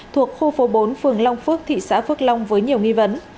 thuộc khu phố bốn phường long phước thị xã phước long với nhiều nghi vấn